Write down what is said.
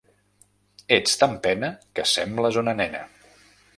Ets tan pena que sembles una nena!